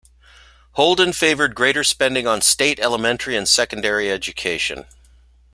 Holden favored greater spending on state elementary and secondary education.